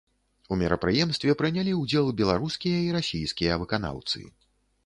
У мерапрыемстве прынялі ўдзел беларускія і расійскія выканаўцы.